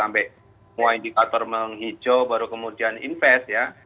investor kan tidak harus nunggu sampai mau indikator menghijau baru kemudian invest ya